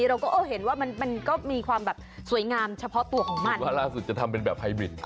หรือว่าร่าสุดจะทำเป็นแบบไฮบริน